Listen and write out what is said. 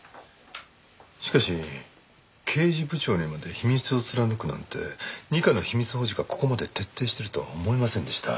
しかし刑事部長にまで秘密を貫くなんて二課の秘密保持がここまで徹底しているとは思いませんでした。